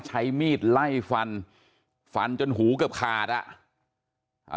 ใช้มีดไล่ฟันฟันจนหูเกือบขาดอ่ะอ่า